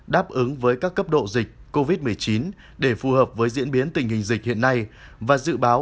đáp ứng với các cấp độ dịch covid một mươi chín để phù hợp với diễn biến tình hình dịch hiện nay và dự báo